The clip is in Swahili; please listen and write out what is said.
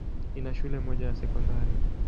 Ina shule moja ya sekondari.